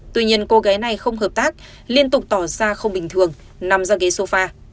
tuy nhiên cô gái này không hợp tác liên tục tỏ ra không bình thường nằm ra ghế sofa